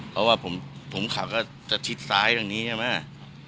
เพราะว่าผมขับก็จะชิดซ้ายตรงนี้ใช่ไหม